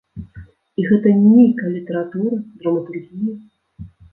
І гэта не нейкая літаратура, драматургія.